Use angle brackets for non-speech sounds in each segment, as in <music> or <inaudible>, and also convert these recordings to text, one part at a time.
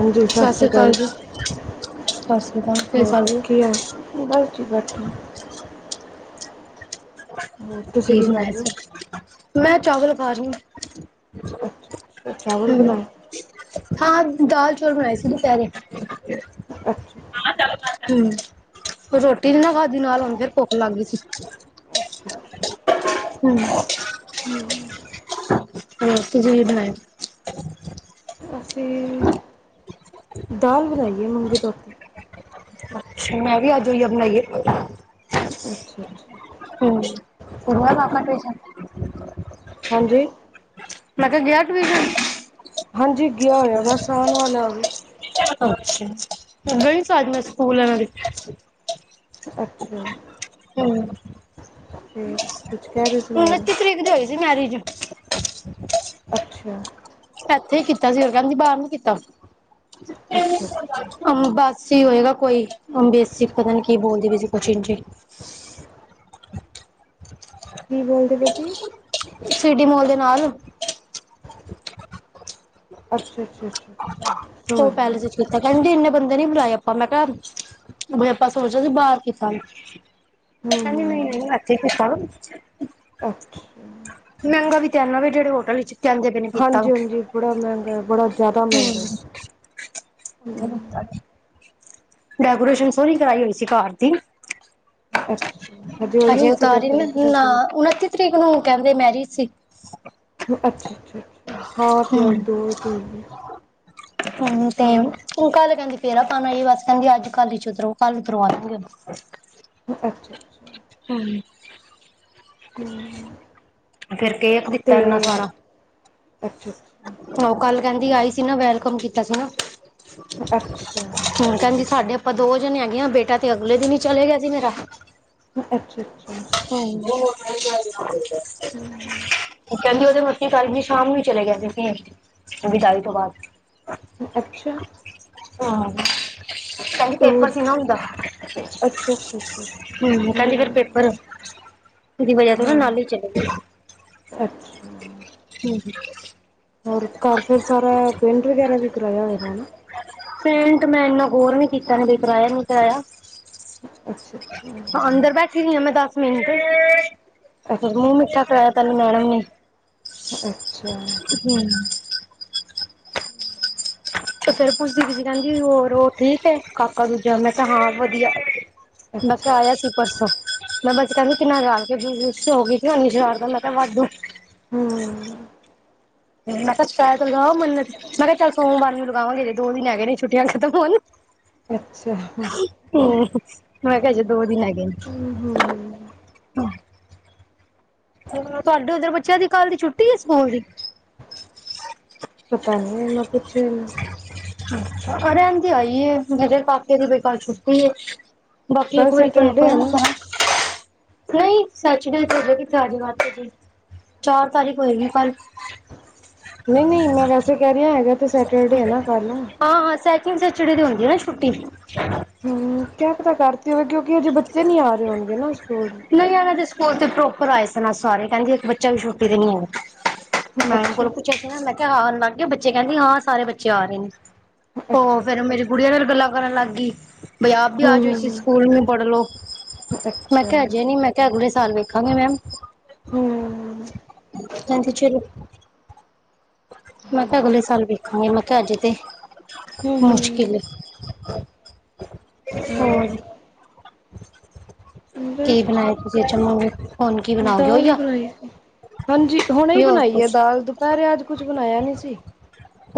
ਹਾਂਜੀ, ਸਤਿ ਸ਼੍ਰੀ ਅਕਾਲ ਜੀ ਸਤਿ ਸ੍ਰੀ ਅਕਾਲ ਕੀ ਹੋਰ ਹਾਲ ਜੀ? ਕੀ ਹਾਲ? ਬਸ ਜੀ ਬਸ, ਠੀਕ। ਹੋਰ ਤੁਸੀਂ ਕੀ ਕਰ ਬਣਾਇਆ ਰਹੇ ਹੋ ਸੀ? ਮੈਂ ਚਾਵਲ ਖਾ ਰਹੀ ਹੂੰ। ਅੱਛਾ-ਅੱਛਾ, ਚਾਵਲ ਬਣਾਏ। ਹਾਂ, ਦਾਲ-ਚੌਲ ਬਣਾਏ ਸੀ ਦੁਪਹਿਰੇ। ਅੱਛਾ-ਅੱਛਾ। ਹੂੰ। ਰੋਟੀ ਨ ਨਾ ਖਾਧੀ ਨਾਲ, ਹੁਣ ਫਿਰ ਭੁੱਖ ਲੱਗ ਗਈ ਸੀ ਅੱਛਾ ਹੂੰ। ਹੂੰ। ਹੂੰ, ਤੁਸੀਂ ਕੀ ਬਣਾਇਆ? ਅਸੀਂ ਦਾਲ ਬਣਾਈ ਹੈ ਮੁੂੰਗੀ ਧੋਤੀ। ਅੱਛਾ, ਮੈਂ ਵੀ ਅੱਜ ਉਹੀ ਬਣਾਈਏ। ਅੱਛਾ ਅੱਛਾ ਹੂੰ, ਹੋਰ ਕਰਵਾ ਲਿਆ ਆਪਣਾ ਆਪਰੇਸ਼ਨ। ਹਾਂਜੀ। ਮੈਂ ਕਿਹਾ ਗਿਆ ਟਵੀਸ਼ਨ। ਹਾਂਜੀ, ਗਿਆ ਹੋਇਆ ਬਸ, ਆਣ ਵਾਲਾ ਓ ਵੀ। ਅੱਛਾ, ਗਈ ਸਾਂ ਮੈਂ ਸਕੂਲ ਇਹਨਾਂ ਦੇ। ਅੱਛਾ, ਹੂੰ ਫਿਰ ਕੁਝ ਕਹਿ ਰਹੇ ਸੀ ਮੈਡਮ? ਕਿਦੇ ਹੋਈ ਸੀ ਮੈਰਿਜ? <unintelligible> ਅੱਛਾ। ਇੱਥੇ ਹੀ ਕੀਤਾ ਸੀ ਉਹ ਕਹਿੰਦੀ ਬਾਹਰ ਨੀ ਕੀਤਾ ਬਸ। ਅੱਛਾ ਅੱਛਾ ਸੀ ਹੋਏਗਾ ਕੋਈ ਬੇਸਿਕ ਪਤਾ ਨੀ ਕੀ ਬੋਲਦੀ ਭਾਈ ਸੀ ਕੁਝ ਇੰਜੀ। ਕੀ ਬੋਲਦੀ ਪਏ ਸੀ? ਸਿਟੀ ਮੋਲ ਦੇ ਨਾਲ। ਅੱਛਾ-ਅੱਛਾ-ਅੱਛਾ ਸਮਝ ਗਈ। ਉ ਤਾ ਕਹਿੰਦੀ ਪਈ ਇੰਨੇ ਬੰਦੇ ਨੀ ਬੁਲਾਏ ਆਪਾਂ ਮੈਂ ਕਿਹਾ ਆਪਾਂ ਸੋਚਦੇ ਸੀ ਬਾਹਰ ਕਿਤਾ ਹਾਈ। ਹੂੰ ਕਹਿੰਦੀ ਹੂੰ ਨਹੀਂ-ਨਹੀਂ ਇੱਥੇ ਕੀਤਾ ਅੱਛਾ ਮਹਿੰਗਾ ਵੀ ਕਿੰਨਾ ਕਹਿਨਾ ਵੀ ਜਿਹੜੇ ਹੋਟਲ ਵਿੱਚ ਕਹਿੰਦੇ ਪਏ ਨੇ ਹਾਂਜੀ-ਹਾਂਜੀ, ਬੜਾ ਮਹਿੰਗਾ ਬੜਾ ਜ਼ਿਆਦਾ ਮਹਿੰਗਾ ਹੈ ਹੋਰ <unintelligible> ਡੈਕੋਰੇਸ਼ਨ ਸੋਹਣੀ ਕਰਾਈ ਹੋਈ ਸੀ ਘਰ ਦੀ। ਅੱਛਾ ਹਜੇ ਹੋਈ ਹੈ ਅਜੇ ਇਸੇ ਉਤਾਰੀ ਨਹੀਂ ਡੈਕੋਰੇਸ਼ਨ ਉਹਨਾਂ ਨੇ ਓਨਤੀ ਤਰੀਕ ਨੂੰ ਕਹਿੰਦੇ ਮੈਰਿਜ ਸੀ। ਅੱਛਾ-ਅੱਛਾ-ਅੱਛਾ ਹਾ ਹੂੰ ਤੇ ਅੱਜ ਦੋ ਤਰੀਕ ਦੀ। ਉੰ ਕਲ ਕਹਿਦੀ ਫੇਰਾ ਪਾਣ ਆਈ ਬਸ ਕਹਿੰਦੀ ਅਜ-ਕਲ ਚ ਉਤਰਵਾ ਲੈੜਗੇ। ਅੱਛਾ-ਅੱਛਾ। ਹਮ <unintelligible> ਹੁ ਫੇਰ ਕੇਕ ਦਿਤਾ ਏਨਾ ਸਾਰਾ। ਅੱਛਾ ਅੱਛਾ। ਓਹ ਕੱਲ ਕਹਿੰਦੀ ਆਈ ਸੀ ਨਾ ਵੈਲਕਮ ਕੀਤਾ ਸੀ ਨਾ ਅੱਛਾ ਹੁਣ ਕਹਿੰਦੀ ਸਾਡੇ ਆਪਾਂ ਦੋ ਜਨੇ ਹੈਗੇਆਂ ਬੇਟਾ ਤੇ ਅਗਲੇ ਦਿਨ ਹੀ ਚਲੇ ਗਿਆ ਸੀ ਮੇਰਾ। ਅੱਛਾ ਅੱਛਾ। ਕਹਿੰਦੀ ਵਜੇ ਮ <unintelligible> ਕੱਲ ਜੀ ਸ਼ਾਮ ਨੂੰ ਹੀ ਚਲੇ ਗਿਆ ਸੀ ਵਿਦਾਈ ਤੋਂ ਬਾਅਦ ਅੱਛਾ। ਹਾਂ। ਕਹਿੰਦੀ ਤੇ ਪੇਪਰ ਸੀ ਉਹ ਨਾ ੳਦਾ ਹੁ ਅੱਛਾ ਅੱਛਾ ਅੱਛਾ ਕਹਿੰਦੀ ਫੇਰ ਪੇਪਰ ਹਮ ਉਹਦੀ ਵਜ੍ਹਾ ਤੋਂ ਨਾ ਹਾਂ ਨਾਲ ਹੀ ਚਲੇ ਗਏ ਅੱਛਾ ਹੁ ਹੁ। ਹੋਰ ਘਰ ਫੇਰ ਸਾਰਾ ਪੇਂਟ ਵਗੈਰਾ ਵੀ ਕਰਾਇਆ ਹੋਏਗਾ ਨਾ। ਪੇਂਟ ਮੈਂ ਇੰਨਾ ਗੋਰ ਨੀ ਕੀਤਾ ਹਜੇ ਕਰਇਆ ਨੀ ਕਰਾਇਆ। ਅੱਛਾ ਹਾ ਅੰਦਰ ਬੈਠੀ ਹੋਈ ਆ ਮੈਂ ਦਸ ਮਿੰਟ ਅੱਛਾ ਮੂੰਹ ਅੱਛਾ ਮਿੱਠਾ ਆ ਤੈਨੂੰ ਮੈਡਮ ਨੇ <unintelligible> ਅੱਛਾ। ਹੁ। ਤੇ ਫੇਰ ਪੁੱਛਦੀ ਪਈ ਸੀ ਕਹਿੰਦੀ ਹੋਰ ੳਹ ਠੀਕ ਹੈ ਕਾਕਾ ਦੂਜਾ ਮੈਂ ਕਿਹਾ ਹਾਂ ਵਧੀਆ। ਮੈਂ ਅੱਛਾ ਕਿਹਾ ਆਇਆ ਸੀ। ਅੱਛਾ ਪਰਸੋਂ ਮੈਂ ਬਸ ਕਹਿੰਦੀ ਕਿੰਨਾ ਗਾਲ ਕੇ ਦੂ ਹੋ ਗਈ ਸੀ ਉਨੀਸ਼ਾਰਦਾ ਮੈਂ ਤਾਂ ਵੱਡੂ। <unintelligible> ਹੁ। ਮੈਂ ਸੱਚਾਇਆ ਚ ਲਗਾ ਮੰਨ ਤੇ ਮੈਂ ਕਿਹਾ ਚੱਲ ਸੋਮਵਾਰ ਨੂੰ ਲਗਾਵਾਂਗੇ। <unintelligible> ਦੋ ਦਿਨ ਹੈਗੇ ਨੇ ਛੁੱਟੀਆਂ ਖਤਮ ਹੋਨ ਅੱਛਾ ਹੁ। ਮੈਂ ਕਿਹਾ ਅਜੇ ਦੋ ਦਿਨ ਹੈਗੇ ਨੇ। ਹਮ ਹਮ ਹਮ ਤੁਹਾਡੇ ਉਧਰ ਬੱਚਿਆਂ ਦੀ ਕੱਲ੍ਹ ਦੀ ਛੁੱਟੀ ਏ ਸਕੂਲ ਦੀ। ਪਤਾ ਨੀ ਇਹ ਮ ਪੁੱਛੇਨੀ। <unintelligible> ਅਰੇ ਆਂਦੀ ਆਈ ਮਧਰ ਪਾਕੇ ਦੀ ਬੇਕੱਲ ਛੁੱਟੀ ਏ। <unintelligible> ਬਾਕੀ ਅ ਕੱਲ ਕੁਰੀ ਕੋ ਨਕਰ। ਸੈਟਰਡੇ ਹੈ ਨਾ <unintelligible> ਨਹੀਂ ਸੱਚ ਨੇ ਜਾ ਕਿ ਤਾਜ਼ੀ ਮਾਤਾ ਜੀ। <unintelligible> ਚਾਰ ਤਾਰੀਖ ਹੋਏਗੀ ਕੱਲ। ਨਹੀਂ ਨਹੀਂ ਮੈਂ ਵੈਸੇ ਕਹਿ ਰਹੀ ਹੈਗਾ ਤੇ ਸੈਟਰਡੇ ਹੈ ਨਾ ਕੱਲ੍ਹ। ਹਾਂ ਹਾਂ ਸੈਕਿੰਡ ਸੈਚਰਡੇ ਦੀ ਹੁੰਦੀ ਹੈ ਨਾ ਛੁੱਟੀ। ਹੁ ਕਿਆ ਪਤਾ ਕਰ ਤੀ ਹੋਵੇ ਕਿਉਂਕਿ ਅਜੇ ਬੱਚੇ ਨੀ ਆ ਰਹੇ ਹੋਨਗੇ ਨਾ ਸਕੂਲ। ਨਹੀਂ ਇਹਨਾਂ ਦੇ ਸਕੂਲ ਤੇ ਪ੍ਰੋਪਰ ਆਏ ਸਨ ਅੱਜ ਸਾਰੇ ਕਹਿੰਦੀ ਇੱਕ ਬੱਚਾ ਵੀ ਛੁੱਟੀ ਤੇ ਨੀ ਹੈਗਾ। ਮੈਡਮ ਅੱਛਾ ਕੋਲੋਂ ਪੁੱਛਿਆ ਸੀ ਮੈਂ ਕਿਹਾ ਆਨ ਲੱਗ ਗਏ ਬੱਚੇ ਕਹਿੰਦੀ ਹਾਂ ਸਾਰੇ ਬੱਚੇ ਆ ਰਹੇ ਨੇ। ਹੋ ਅੱਛਾ ਫੇਰ ਮੇਰੀ ਗੁੜੀਆਂ ਨਾਲ ਗੱਲਾਂ ਕਰਨ ਲੱਗ ਗਈ ਬਈ ਆਪ ਭੀ ਆ ਹਮ ਜਾੳ ਹਮ ਇਸੀ ਹਮ ਸਕੂਲ ਮੇ ਪੜ੍ਹ ਲੋ। ਮੈਂ ਅੱਛਾ ਕਿਹਾ ਅਜੇ ਨੀ ਮੈਂ ਕਿਹਾ ਅਗਲੇ ਸਾਲ ਵੇਖਾਂਗੇ ਮੈਮ। ਹਮ ਹਾਂਜੀ ਚਲੋ ਮੈ ਕਿਹਾ ਹਾਂਜੀ ਅਗਲੇ ਸਾਲ ਵੇ ਨਹੀਂ ਮੈਂ ਕਿਹਾ ਅੱਜੇ ਤੇ ਹਮ ਮੁਸ਼ਕਿਲ ਏ। ਹਮ। <unintelligible> ਕੀ ਬਸ ਬਣਾਏ ਤੁਸੀਂ ਚਮਗੇ? <unintelligible> ਦਾਲ ਬਨਾਈ ਹਾਂਜੀ ਹੁਣੇ ਹੀ ਯਾ ਹੋਰ ਬਣਾਈ ਹੈ ਕੁਛ ਦਾਲ ਦੁਪਹਿਰੇ ਅੱਜ ਕੁਛ ਬਨਾਇਆ ਨਹੀਂ ਸੀ।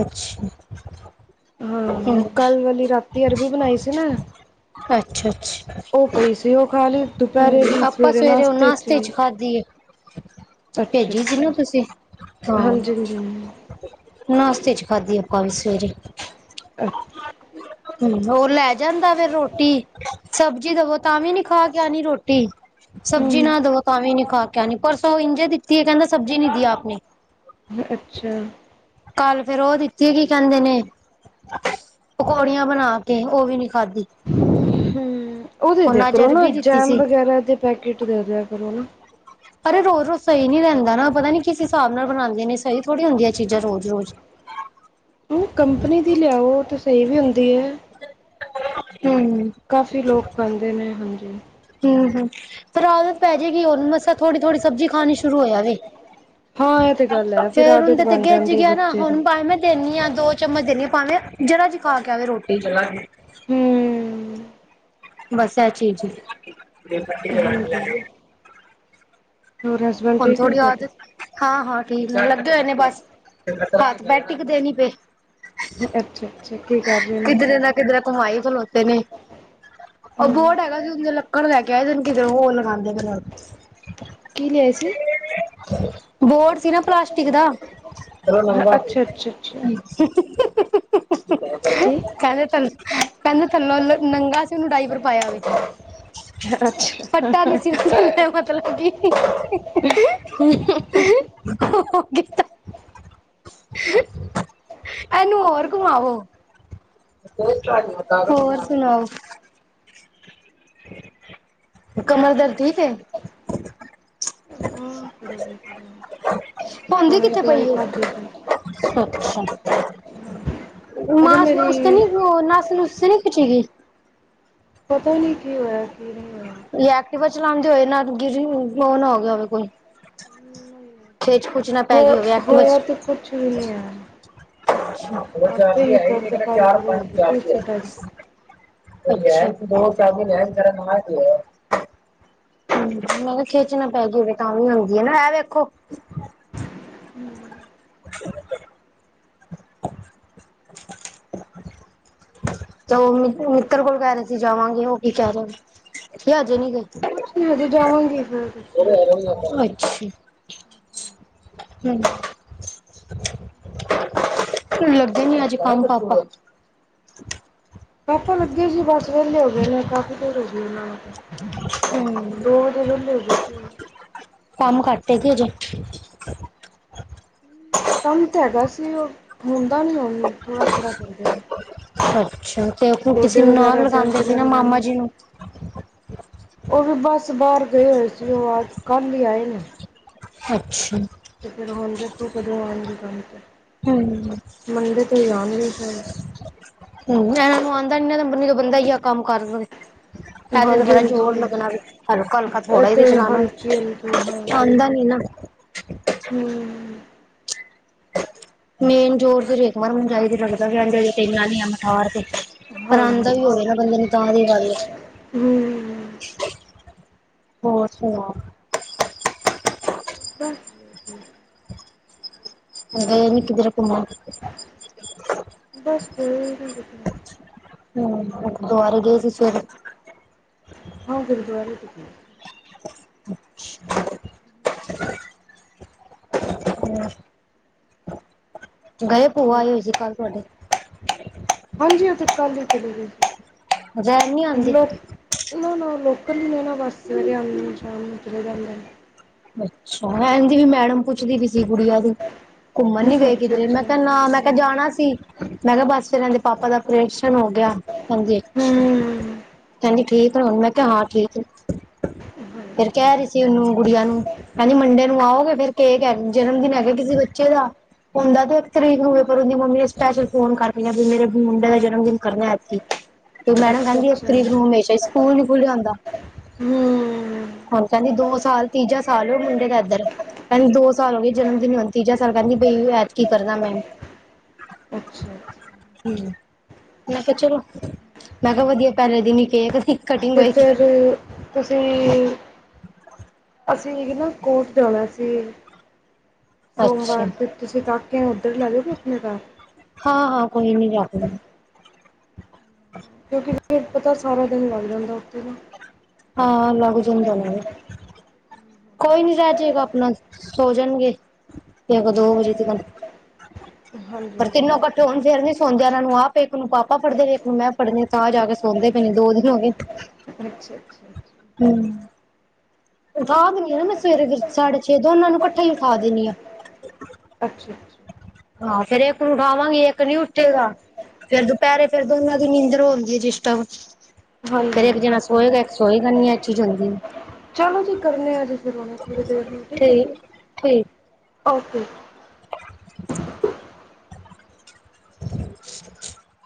ਅੱਛਾ। ਹਾਂ, ਹੂੰ ਓ ਕੱਲ ਵਾਲੀ ਰਾਤੀ ਅਰਬੀ ਬਨਾਈ ਸੀ ਨਾ। ਅੱਛਾ-ਅੱਛਾ ਓ ਪਈ ਸੀ, ਓ ਖਾਲੀ ਦੁਪੈਰੇ ਵੀ, ਸਵੇਰੇ ਨਾਸ਼ਤੇ ਚ ਵੀ। ਖਾਦੀ ਏ, ਅੱਛਾ ਭੇਜੀ ਸੀ ਅੱਛਾ ਨਾ ਤੁਸੀਂ, ਹਾਂ। ਹਾਂਜੀ ਹਾਂਜੀ ਹਾਂਜੀ, ਨਾਸ਼ਤੇ ਚ ਖਾਧੀ ਏ, ਆਪਾਂ ਵੀ ਸਵੇਰੇ। <inaudible> ਹੋਰ, ਲੈ ਜਾਂਦਾ ਫੇਰ ਰੋਟੀ। ਸਬਜ਼ੀ ਦਵੋ ਤਾਂ ਵੀ ਨੀ ਖਾਕੇ ਆਨੀ ਰੋਟੀ, ਹੂੰ ਸਬਜ਼ੀ ਨਾ ਦਵੋ ਤਾਂ ਵੀ ਨੀ ਖਾ ਕੇ ਆਨੀ, ਪਰਸੋਂ ਇੰਝੇ ਦਿੱਤੀ ਏ, ਕੈਂਦਾ ਸਬਜ਼ੀ ਨੀ ਦੀ ਆਪ ਨੇ। ਅੱਛਾ। ਕੱਲ ਫੇਰ ਓ ਦਿੱਤੀ, ਕੀ ਕੈਂਦੇ ਨੇ ਪਕੌੜੀਆਂ ਬਣਾ ਕੇ, ਓ ਵੀ ਨੀ ਖਾਧੀ। ਓ ਦੇਦੇਯਾ ਹੁਣ ਅੱਜ ਕਰੋ ਨਾ ਅਰਬੀ ਦਿੱਤੀ ਜੈਮ ਸੀ ਵਗੈਰਾ ਦੇ ਪੈਕੇਟ ਦੇ ਕਰੋ ਨਾ। ਅਰੇ ਰੋਜ਼ ਰੋਜ਼ ਸਈ ਨੀ ਰੈਂਦਾ ਨਾ, ਪਤਾ ਨੀ ਕਿਸ ਹਿਸਾਬ ਨਾਲ ਬਣਾਦੇ ਨੇ ਸਈ ਥੋੜ੍ਹੀ ਹੁੰਦੀਆਂ ਚੀਜ਼ਾਂ ਰੋਜ ਰੋਜ। <inaudible> ਕੰਪਨੀ ਦੀ ਲਿਆਓ ਤੇ, ਸਈ ਵੀ ਹੁੰਦੀ ਏ। ਹੂੰ। ਕਾਫੀ ਲੋਕ ਪਾਂਦੇ ਨੇ, ਹਾਂਜੀ। ਹੂੰ, ਹੂੰ ਪਰ ਆਦਤ ਪੈ ਜੇਗੀ ਹੋਨ, ਮਸਾ ਥੋੜੀ-ਥੋੜੀ ਸਬਜ਼ੀ ਖਾਨੀ ਸ਼ੁਰੂ ਹੋਯਾ ਵੇ। ਹਾਂ ਇਹ ਤੇ ਗੱਲ ਹੈ ਫਿਰ ਫੇਰ ਆਦਤ ਉਂਦੇ ਤੇ ਬਣ ਗੇੱਜ ਜਾਂਦੀ ਗੇਆ ਨਾ, ਬੱਚੇ ਦੀ ਹੁਨ ਪਾਵੇਂ ਮੈਂ ਦੇਨੀ ਆਂ ਦੋ ਚਮਚ ਦੇਨੀ ਆ, ਪਾਵੇਂ ਜਰਾ ਜੀ ਖਾ ਕੇ ਆਵੇ ਰੋਟੀ। ਹੂੰ। ਬਸ, ਐ ਚੀਜ ਏ। ਹਾਂਜੀ <unintelligible> ਹੁਨ ਥੋੜੀ ਤੁਹਾਡੇ ਆਦਤ ਹਾਂ, ਹਾਂ ਠੀਕ ਨੇ, ਲੱਗੇ ਹੋਏ ਨੇ ਬੱਸ, ਹੱਥ-ਪੈਰ ਟਿਕਦੇ ਨੀ ਪਏ। ਅੱਛਾ-ਅੱਛਾ, ਕੀ ਕਾਰ ਰੇਨੇ? ਕਿੱਧਰੇ ਘੁਮਾਈ ਖਲੋਤੇ ਨੇ। ਓ ਬੋਡ ਹੂੰ ਹੈਗਾ ਸੀ ਉਂਦੇ ਲੱਕੜ ਲੈਕੇ ਆਏ ਦੇ ਨੇ ਕਿਧਰੋ, ਓ ਲਗਾਂਦੇ ਪੇ ਨੇ ਹੁਨ। ਕੀ ਲਯਾਏ ਸੀ? ਬੋਡ ਸੀ ਨਾ ਪਲਾਸਟਿਕ ਦਾ ਅੱਛਾ ਅੱਛਾ ਅੱਛਾ <unintelligible> ਕੀ? ਕੈਂਦੇ ਥੱਲ, ਕੈਂਦੇ ਥੱਲੋ ਲ ਨੰਗਾ ਸੀ, ਓਨੂੰ ਡਾਈਪਰ ਪਾਯਾ ਵੇ। ਅੱਛਾ ਫੱਟਾ ਨੀ ਸੀ ਥੱਲਯੋ ਮਤਲਵ ਕਿ <unintelligible> ਏਨੂੰ ਹੋਰ ਘੁਮਾਓ। ਹੋਰ ਸੁਨਾਓ। ਕਮਰ ਦਰਦ ਠੀਕੇ? <inaudible> ਹੋਂਦੀ ਕਿੱਥੇ ਪਈ ਦਵਾਈ ਏ? ਖਾਧੀ ਸੀ ਅੱਛਾ, ਅਰੇ ਮਾਸ-ਮੂਸ ਤੇ ਮੇਰੀ ਨੀਓ ਨੱਸ ਨੁੱਸ ਤੇ ਨੀ ਖਿਚੀਗੀ। ਪਤਾ ਈ ਨੀਂ ਕੀ ਹੋਇਆ, ਕੀ ਨਈਂ ਐਕਟਿਵਾ ਚਲਾਂਦੇ ਹੋਏ ਨਾ ਗਿਰੀ, ਓ ਨਾ ਹੋ ਗਿਆ ਹੋਵੇ ਕੁਛ, ਖੇਚ-ਖੁੱਚ। ਜਿਨ੍ਹਾਂ ਪੈ ਗਈ ਹੋਵੇ ਹੋ ਐਕਟਿਵਾ ਹੋਇਆ ਚ ਤੇ ਕੁਛ ਵੀ ਨਹੀਂ ਹੈ ਹੋਰ ਆਪੇ ਚਰਾਤੀ ਹੈ ਹੀ ਈ ਨਹੀ, ਏ ਦਰਦ ਕਹਿੰਦਾ ਕਰਨ ਚਾਰ ਸ਼ੁਰੂ ਹੋ ਪੰਜ ਗਈ ਸੀ ਚਰਾਤੀ ਹੈ ਉਸੇ ਟਾਈਮ ਦੋ ਸ ਲ ਕਰ ਆ <inaudible> ਹੂ, ਮੈਂ ਕਿਹਾ ਖਿੱਚ ਨਾ ਪੈ ਗਈ ਹੋਵੇ ਤਾਂ ਵੀ ਹੁੰਦੀ ਹੈਨਾ, ਇਹ ਵੇਖੋ ਜੀ <inaudible> <unintelligible> ਤੇ ਉਹ ਮਿੱਤਰ ਕੋਲ ਕਹਿ ਰਹੇ ਸੀ ਜਾਵਾਂਗੇ, ਉਹ ਕੀ ਕਹਿ ਰਹੇ, ਅਜੇ ਨੀ ਗਏ ਕੁਛ ਨਹੀਂ ਹਜੇ ਜਾਵਾਂਗੀ ਫਿਰ ਦੇਖਦੇ ਹਾਂ। ਆਰ <inaudible> ਹਮ <inaudible> ਲੱਗੇ ਨੀ ਅੱਜ ਕੰਮ ਪਾਪਾ ਪਾਪਾ ਲੱਗੇ ਸੀ ਬਸ ਵਹਲੇ ਹੋ ਗਏ ਨੇ, ਕਾਫ਼ੀ ਦੇਰ ਹੋ ਗਈ ਇਹਨਾਂ ਹਮ ਦੋ ਵਜੇ ਵੇਲੇ ਹੋ ਗਏ ਸੀ ਕੰਮ ਘੱਟ ਹੈ ਕੀ ਹਜੇ ਕੰਮ ਤੇ ਹੈਗਾ ਸੀ, ਉਹ ਹੁੰਦਾ ਨੀ ਹੁਣ ਥੋੜਾ ਥੋੜਾ ਕਰਦੇ ਨੇ ਅੱਛਾ ਤੇ ਔਥੋ ਕਿਸੇ ਗੋਡੇ ਨੂੰ ਨਾਲ ਵਗੈਰਾ ਦਰਦ ਲਗਾਉਂਦੇ ਸੀ ਨਾ, ਰਹਿੰਦੇ ਮਾਮਾ ਨੇ ਜੀ ਨੂੰ ਉਹ ਵੀ ਬੱਸ ਬਾਹਰ ਗਏ ਹੋਏ ਸੀ, ਉਹ ਆਦ ਕੱਲ ਹੀ ਆਏ ਨੇ ਅੱਛਾ ਤੇ ਫੇਰ ਔ ਅੰਦਰ ਕਿਉ ਕਰਵਾਣ ਗੇ ਕੰਮ ਤੇ ਹਾਂਜੀ ਮੰਡੇ ਤੋਂ ਜਾਣਗੇ ਸ਼ਾਇਦ ਇਹ ਨੂੰ ਆਉਂਦਾ ਨੀ ਨਾ, ਬੰਦਾ ਹੀ ਆ ਕੰਮ ਕਰ ਦੇਵੇ ਪਹਲੇ ਤਾਂ ਹਾਂਜੀ ਬਰਾ ਹਾਂਜੀ ਜ਼ੋਰ ਲੱਗਣਾ ਵੇ, ਹਲਕਾ ਹਲਕਾ ਇਹ ਥੋੜਾ ਹੀ ਤੇ ਚਲਾਣਾ ਹਲਕੀ ਹਲਕੀ ਵੀ ਆਂਦਾ ਨੀ ਨਾ ਹੂ ਮੇਨ ਜੋੋਰ ਤੇ ਰੇਘਮਾਰ ਨੂੰ ਜਾਈਦੇ ਲੱਗਦਾ ਵੀ ਆਹਂਦੇ ਤੇਮ ਨਹੀਂ ਆ ਮਿਠਾਰ ਤੇ, ਪਰ ਹਾਂ ਆਉਂਦਾ ਹਮ ਵੀ ਹੋ ਰਿਹਾ ਨਾ ਬੰਦੇ ਨੇ <unintelligible> ਤਾਂ ਵੀ ਗੱਲ ਐ, ਹੋਰ ਸੁਣਾਓ ਤਾਂ ਗਏ ਨੀ ਕਿਧਰੇ ਘੁੰਮਣ ਬਸ ਬ <unintelligible> ਹੂ ਗੁਰਦਵਾਰੇ ਗਏ ਸੀ ਸਵੇਰੇ ਹਾਂ ਗੁਰਦੁਵਾਰੇ ਗਏ, ਭੁਆ ਆਈ ਹੋਈ ਸੀ ਕੱਲ ਤੁਆਡੇ ਹਾਂਜੀ ਹਾਂਜੀ ਔ ਤੇ ਕੱਲ ਹੀ ਚਲੇ ਗਏ ਸੀ ਅਜ ਐ ਨੀ ਆਂਦੀ ਨਾਂ ਨਾ ਲੋਕਲ ਹੀ ਨੇ ਨਾ, ਬਸ ਸਵੇਰੇ ਆਂਦੇ ਨ ਸ਼ਾਮ ਨੂੰ ਚਲੇ ਜਾਂਦੇ ਨੇ ਅੱਛਾ, ਨੈਨ ਦੀ ਵੀ ਮੈਡਮ ਪੁੱਛਦੀ ਪਈ ਸੀ ਸੀ ਕੁੜੀਆਂ ਦੀ, ਘੂਮਣ ਨੀ ਗਏ ਅੱਛਾ ਕਿਧਰੇ, ਮੈਂ ਅੱਛਾ ਕਿਆ ਨਾ ਮੈਂ ਕਿਆ ਜਾਣਾ ਸੀ ਮੈਂ ਕਿਆ ਬਸ ਫੇਰ ਇਹ ਦੇ ਪਾਪਾ ਦਾ ਅਪ੍ਰੇਸ਼ਨ ਹੋ ਗਿਆ ਹਾਂਜੀ ਹਮ ਕਹਿੰਦੀ ਠੀਕ ਏ ਹੂੰਣ, ਮੈਂ ਕਿਆ ਹਾਂ ਠੀਕ ਐ, ਫੇਰ ਕੈਹ ਰੀ ਸੀ ਉਹਨੂੰ ਗੁੜੀਆਂ ਨੂੰ ਕੈੰਹਦੀ ਮੰਡੇ ਨੂੰ ਆਓਗੇ ਫੇਰ, ਕੇਕ ਹੈ ਜਨਮ ਦਿਨ ਹੈਗੇ ਕਿਸੀ ਬੱਚੇ ਦਾ ਹੂੰਦਾ ਤਾਂ ਇਕ ਤਰੀਕ ਨੂੰ ਏ, ਪਰ ਉਹਦੀ ਮੰਮੀ ਨੇ ਸਪੈਸ਼ਲ ਫੋਨ ਕਰ ਲਿਆ ਵੀ ਮੇਰੇ ਮੁੰਡੇ ਦਾ ਜਨਮ ਦਿਨ ਕਰਨਾ ਐਦਕੀ ਮੈਡਮ ਅੱਛਾ ਕਹਿੰਦੀ ਇਕ ਅੱਛਾ ਤਰੀਕ ਨੂੰ ਹਮੇਸ਼ਾ ਹੀ ਸਕੂਲ ਨੀ ਖੁੱਲ੍ਹਿਆ ਹੁੰਦਾ ਹਮ ਹੁਣ ਕਹਿੰਦੀ ਦੋ ਸਾਲ, ਤੀਜਾ ਸਾਲ ਐ ਉਹ ਮੁੰਡੇ ਦਾ ਏਧਰ ਕਹਿੰਦੀ ਦੋ ਸਾਲ ਹੋ ਗਏ ਜਨਮ ਦਿਨ ਨੀ, ਹੁਣ ਤੀਜਾ ਸਾਲ ਕਹਿੰਦੀ ਪਈ ਐਦਕੀ ਕਰਨਾ ਮੈਂ ਅੱਛਾ ਅੱਛਾ ਹਮ ਮੈਂ ਕਿਆ ਚਲੋ ਮੈਂ ਕਿਆ ਵਧੀਆ ਪੈਲੇ ਦਿਨ ਈ ਕੇਕ ਸੀ। ਤੇ ਫੇਰ ਤੁਸੀਂ ਅਸੀਂ ਇਕ ਨਾ ਕੋਟ ਜਾਣਾ ਸੀ। ਅੱਛਾ ਸੋਮਵਾਰ ਜੇ ਤੁਸੀਂ ਕਾਕੇ ਨੁੰ ਉੱਧਰ ਲੈ ਜੋਗੇ ਅਪਨੇ ਕਾਰ। ਹਾਂ-ਹਾਂ ਕੋਈ ਨੀ <unintelligible> ਕਿਉਂਕਿ ਫੇਰ ਪਤਾ ਸਾਰਾ ਦਿਨ ਲੱਗ ਜਾਂਦਾ ਉਤੇ ਨਾ। ਹਾਂ ਲਗ ਜਾਂਦਾ ਹੋਨਾ ਵੇ। ਕੋਈ ਨੀ ਰੇੈ ਜੇਗਾ ਅਪਨਾ ਸੋ ਜਾਨਗੇ ਏਕ ਦੋ ਵਜੇ ਤਿਕਨ। ਹਾਂਜੀ ਪਰ ਤਿੰਨੋ ਹਾਂਜੀ ਕੱਟ ਤੇ ਹੂੰਣ ਫੇਰ ਨੀ ਸੋਂਂਦੇ ਇਹਨਾਂ ਨੂੰ ਆਪ ਇੱਕ ਨੂੰ ਪਾਪਾ ਫੜ੍ਹਦੇ ਨੇ ਇੱਕ ਨੂੰ ਮੈਂ ਫੜ੍ਹਨੀ ਆ ਤਾਂ ਜਾ ਕੇ ਸੌਂਦੇ ਪਏ ਨੇ ਦੋ ਦਿਨ ਹੋ ਗੇ। <inaudible> ਅੱਛਾ-ਅੱਛਾ, ਅੱਛਾ। ਹੂੰ ਉਠਾ ਦੇਨੀ ਆ ਨਾ ਮੈਂ ਸਵੇਰੇ ਸਾਢੇ ਛੇ ਦੋ ਉਹਨਾ ਨੂੰ ਕੱਠਾ ਹੀ ਉਠਾ ਦੇਨੀ ਆ। ਅੱਛਾ-ਅੱਛਾ ਹਾਂ ਫੇਰ ਏਕ ਨੂੰ ਉਠਾਵਾਂਗੀ ਏਕ ਨੀ ਉੱਠੇਗਾ। ਫੇਰ ਦੁਪਹਿਰੇ ਫੇਰ ਦੋਨਾਂ ਦੀ ਨੀਂਦਰ ਹੂੰਦੀ ਏ ਡੀਸਟਬ। ਫੇਰ ਹਾਂਜੀ ਏਕ ਜਿਨਾ ਸੋਏਗਾ ਏਕ ਸੋਏਗਾ ਨੀ ਐ ਚੀਜ ਹੂੰਦੀ ਏ। ਚਲੋ ਜੀ ਕਰਨੇ ਆ ਜੇ ਫਿਰ ਹੁਨੇ ਥੋੜੀ ਦੇਰ ਨੂੰ ਠੀਕ ਏ, ਓਕੇ। <inaudible>